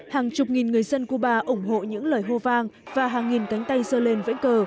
hàng chục nghìn người dân cuba ủng hộ những lời hô vang và hàng nghìn cánh tay dơ lên vẫy cờ